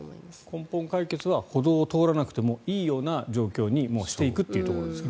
根本解決は歩道を通らなくてもいい状況にもう、していくっていうところですね。